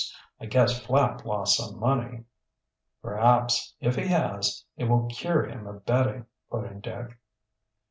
I guess Flapp lost some money." "Perhaps, if he has, it will cure him of betting," put in Dick.